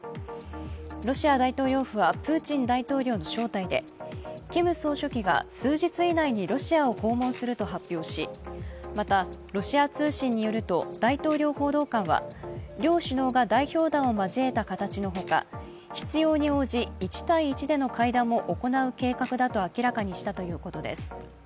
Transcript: ロシア大統領府はプーチン大統領の招待でキム総書記が数日以内にロシアを訪問すると発表し、また、ロシア通信によると大統領報道官は、両首脳が代表団を交えた形のほか、必要に応じ、１対１での会談も行う計画だと明らかにしたということです。